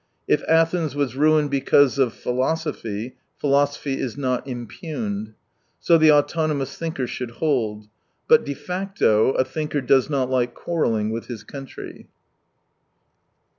If Athens was ruined because of philosophy, philosophy is not impugned. So the autonomous thinker should hold. But de facto, a thinker does not like quarrelling with his country.